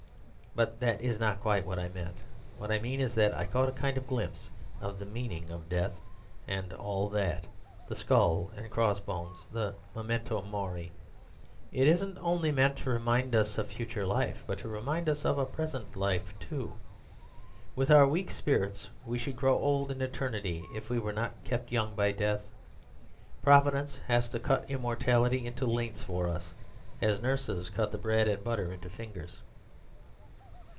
But that is not quite what I meant: what I mean is that I caught a kind of glimpse of the meaning of death and all that—the skull and cross bones, the memento mori. It isn't only meant to remind us of a future life, but to remind us of a present life too. With our weak spirits we should grow old in eternity if we were not kept young by death. Providence has to cut immortality into lengths for us, as nurses cut the bread and butter into fingers.